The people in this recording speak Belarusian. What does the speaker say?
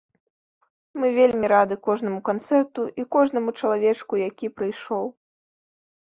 Мы вельмі рады кожнаму канцэрту і кожнаму чалавечку, які прыйшоў.